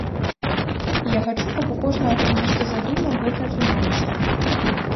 І я хачу, каб у кожнага, хто нешта задумаў, гэта атрымалася.